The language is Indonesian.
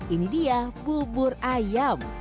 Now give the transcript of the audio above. ini dia bubur ayam